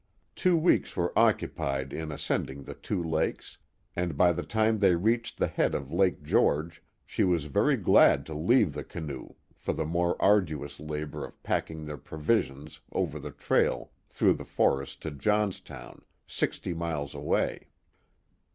Two weeks were occupied in ascending the two lakes, and by the time they reached the head of Lake George, she was very glad to leave the canoe for the more arduous labor of packing their provisions over the trail through the forest to Johnstown, sixty miles away.